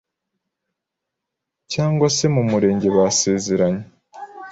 cyangwa se mumurenge basezeranye,